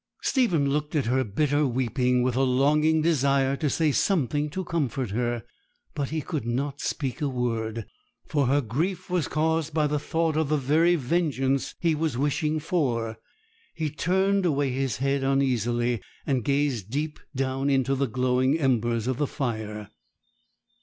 Stephen looked at her bitter weeping with a longing desire to say something to comfort her, but he could not speak a word: for her grief was caused by the thought of the very vengeance he was wishing for. He turned away his head uneasily, and gazed deep down into the glowing embers of the fire.